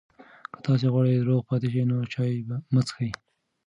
که تاسي غواړئ روغ پاتې شئ، نو چای مه څښئ.